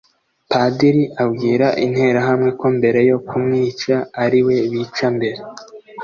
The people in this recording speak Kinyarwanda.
Padili abwira interahamwe ko mbere yo kumwica ari we bica mbere